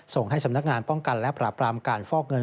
ส่งให้สำนักงานป้องกันและปราบรามการฟอกเงิน